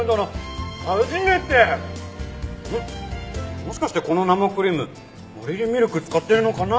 もしかしてこの生クリームマリリンミルク使ってるのかな？